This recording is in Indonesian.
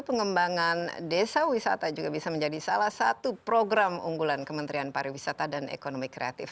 pengembangan desa wisata juga bisa menjadi salah satu program unggulan kementerian pariwisata dan ekonomi kreatif